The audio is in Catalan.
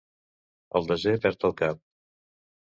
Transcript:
El desè perd el cap.